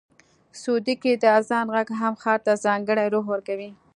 سعودي کې د اذان غږ هر ښار ته ځانګړی روح ورکوي.